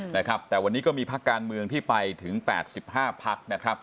แต่วันนี้ก็มีพศาลียิสีภาคการเมืองที่ไปถึง๘๕พัด